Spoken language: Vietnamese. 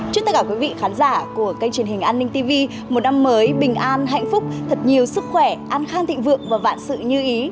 chúc tất cả quý vị khán giả của kênh antv một năm mới bình an hạnh phúc thật nhiều sức khỏe an khang thị vượng và vạn sự như ý